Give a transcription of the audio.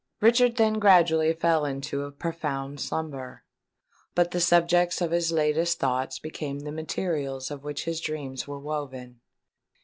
Richard then gradually fell into a profound slumber: but the subjects of his latest thoughts became the materials of which his dreams were woven.